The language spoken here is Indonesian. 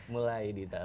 mulai di sana